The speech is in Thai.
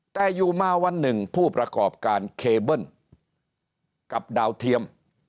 แต่อยู่มาวันหนึ่งผู้ประกอบการเคเบิ้ลกับดาวเทียม